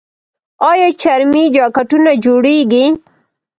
آیا چرمي جاکټونه جوړیږي؟